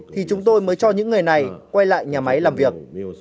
thì chúng tôi mới cho những người này quay lại nhà máy làm việc